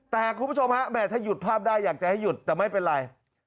แต่คุณผู้ชมฮะแหมถ้าหยุดภาพได้อยากจะให้หยุดแต่ไม่เป็นไร